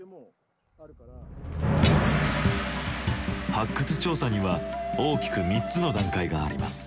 発掘調査には大きく３つの段階があります。